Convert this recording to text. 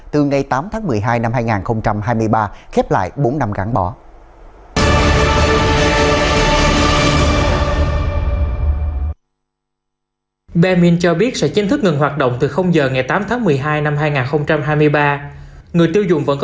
từ ngày tám tháng một mươi hai năm hai nghìn